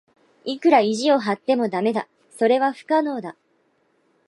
いくら意地を張っても駄目だ。それは不可能だ。